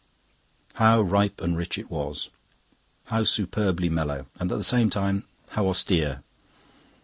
How ripe and rich it was, how superbly mellow! And at the same time, how austere!